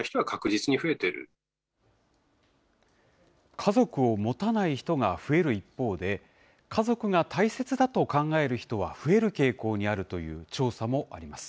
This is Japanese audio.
家族を持たない人が増える一方で、家族が大切だと考える人は増える傾向にあるという調査もあります。